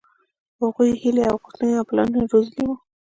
هغوۍ هيلې او غوښتنې او پلانونه روزلي وو.